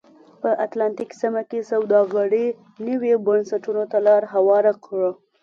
په اتلانتیک سیمه کې سوداګرۍ نویو بنسټونو ته لار هواره کړه.